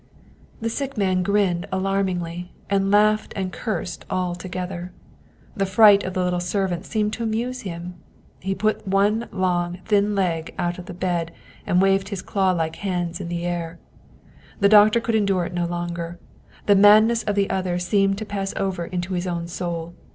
The sick man grinned alarmingly, and laughed and cursed all together. The fright of the little servant seemed to amuse him. He put one long, thin leg out of the bed* and waved his claw like hands in the air. The doctor could endure it no longer. The madness of the other seemed to pass over into his own soul.